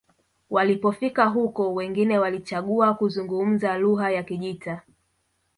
walipofika huko wengine walichagua kuzungumza lugha ya kijita